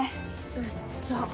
うっざ。